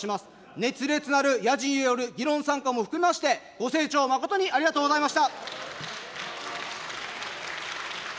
熱烈なるやじによる議論参加も含めまして、ご清聴、誠にありがとうございました。